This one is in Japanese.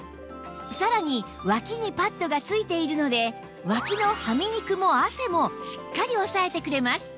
さらに脇にパッドが付いているので脇のはみ肉も汗もしっかりおさえてくれます